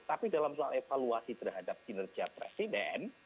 tapi dalam soal evaluasi terhadap kinerja presiden